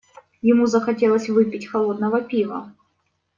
Ему захотелось выпить холодного пива.